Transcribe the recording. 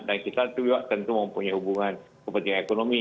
dan kita juga tentu mempunyai hubungan yang penting ekonomi